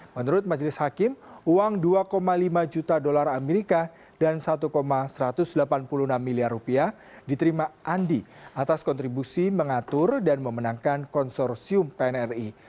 menurut majelis hakim uang dua lima juta dolar amerika dan satu satu ratus delapan puluh enam miliar rupiah diterima andi atas kontribusi mengatur dan memenangkan konsorsium pnri